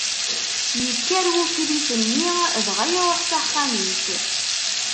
Ikker wukrif-nni, dɣa iṛuḥ s axxam-is.